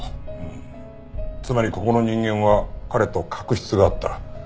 つまりここの人間は彼と確執があった。